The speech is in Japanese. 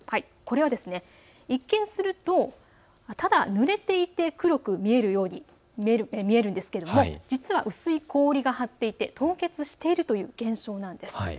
これは、一見するとただぬれていて黒く見えるんですけれども実は薄い氷が張っていて凍結しているという現象なんです。